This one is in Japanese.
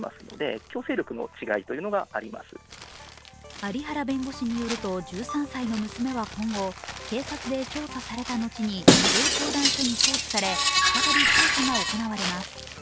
有原弁護士によると１３歳の娘は今後、警察で調査された後に、児童相談所に送致され、再び調査が行われます